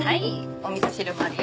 お味噌汁もあるよ。